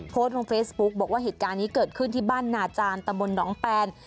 โพสต์ลงเฟซบุ๊กบอกว่าเหตุการณ์นี้เกิดขึ้นที่บ้านนาจารย์ตะบนหนองแปน